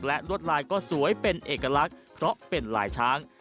และลวดลายก็สวยเป็นเอกลักษณ์เพราะเป็นลายช้าง